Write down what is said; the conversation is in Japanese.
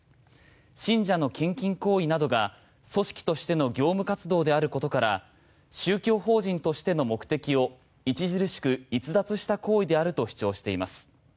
信者の献金行為などが組織としての業務活動であることから宗教法人としての目的を著しく逸脱した行為であると主張しています。